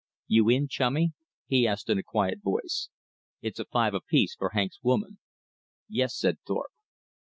"You in, chummy?" he asked in a quiet voice. "It's a five apiece for Hank's woman." "Yes," said Thorpe.